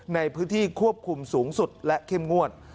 ในพื้นที่ควบคุมสูงสุดและเข้มงวด